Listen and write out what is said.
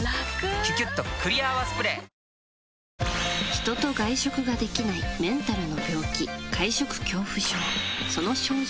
人と外食ができないメンタルの病気、会食恐怖症。